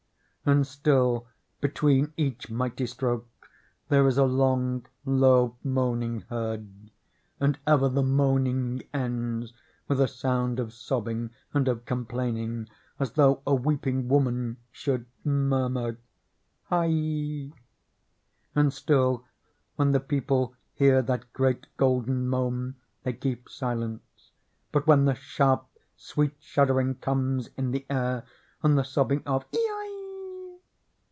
And still, between each mighty stroke, there is a long low moaning heard; and ever the moaning ends with a sound of sobbing and of complaining, as though a 143 CHINA weeping woman should murmur "Hiail" And still, when the people hear that great golden moan they keep silence; but when the sharp, sweet shuddering comes in the air, and the sobbing of "Eiai!"